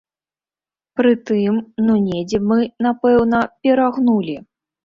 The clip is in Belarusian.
Прытым, ну недзе мы, напэўна, перагнулі.